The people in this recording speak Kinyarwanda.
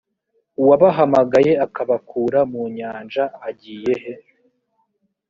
uwabahamagaye akabakura mu nyanja agiye he